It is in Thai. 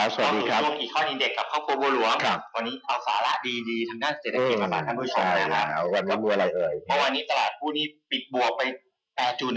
๘จุดนะพี่ติดไปที่๑๕๗๘จุด